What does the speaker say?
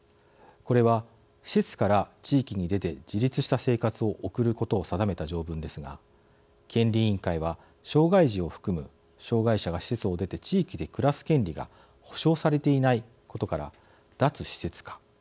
これは、施設から地域に出て自立した生活を送ることを定めた条文ですが、権利委員会は障害児を含む障害者が施設を出て地域で暮らす権利が保障されていないことから脱施設化。